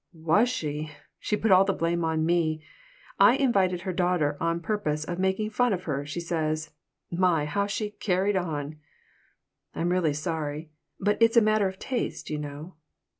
"Was she! She put all the blame on me. I invited her daughter on purpose to make fun of her, she says. My, how she carried on!" "I'm really sorry, but it's a matter of taste, you know."